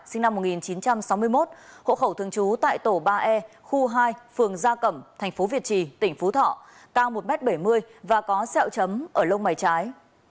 sinh năm một nghìn chín trăm sáu mươi một hộ khẩu thường trú tại tổ ba e khu hai phường gia cẩm tp việt trì tỉnh phú thọ cao một m bảy mươi và có sẹo chấm ở lông mái trái